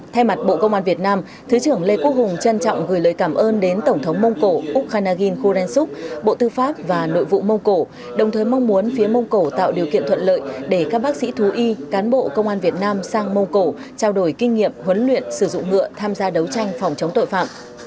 thay mặt bộ công an việt nam thứ trưởng lê quốc hùng trân trọng gửi lời cảm ơn đến tổng thống mông cổ úc khanagin khoren suk bộ tư pháp và nội vụ mông cổ đồng thời mong muốn phía mông cổ tạo điều kiện thuận lợi để các bác sĩ thú y cán bộ công an việt nam sang mông cổ trao đổi kinh nghiệm huấn luyện sử dụng ngựa tham gia đấu tranh phòng chống tội phạm